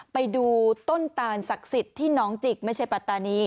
ไปดูต้นตานศักดิ์สิทธิ์ที่น้องจิกไม่ใช่ปัตตานี